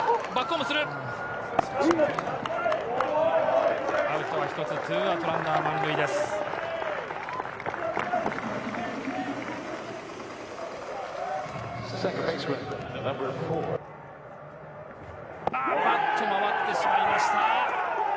バット、回ってしまいました。